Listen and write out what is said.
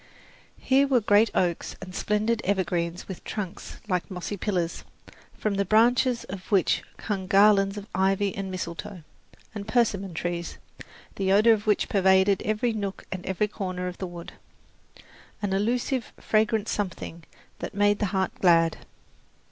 Here were great oaks and splendid evergreens with trunks like mossy pillars, from the branches of which hung garlands of ivy and mistletoe, and persimmon trees, the odour of which pervaded every nook and corner of the wood an illusive, fragrant something that made the heart glad.